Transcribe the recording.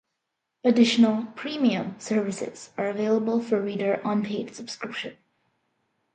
Additional, "Premium", services are available for reader on paid subscription.